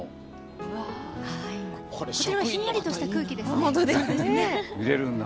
こちらはひんやりとした空気ですね。